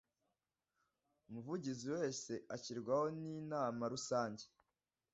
umuvugizi wese ashyirwaho n inama rusange